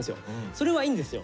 それはいいんですよ